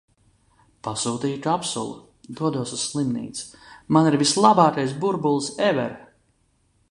Pasūtīju kapsulu, dodos uz slimnīcu. Man ir vislabākais burbulis ever!